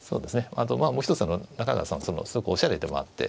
あとまあもう一つ中川さんもすごくおしゃれでもあって。